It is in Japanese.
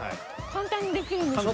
簡単にできます。